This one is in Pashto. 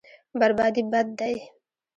بربادي بد دی.